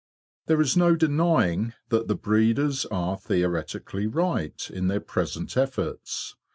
There is no denying that the breeders are theoretically right in their present efforts.